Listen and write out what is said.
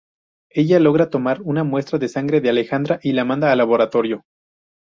Ella logra tomar una muestra de sangre de Alejandra y la manda al laboratorio.